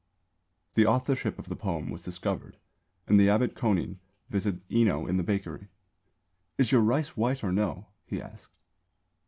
_ The authorship of the poem was discovered and the abbot Kōnin visited Enō in the bakery. "Is your rice white or no?" he asked.